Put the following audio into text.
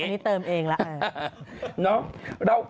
อันนี้เติมเองแล้ว